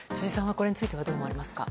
これについてどう思われますか。